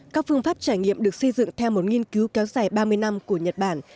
các phương pháp trải nghiệm được xây dựng theo một nghiên cứu kéo dài ba mươi năm của nhật bản